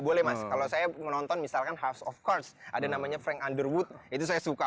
boleh mas kalau saya menonton misalkan house of courts ada namanya frank underwood itu saya suka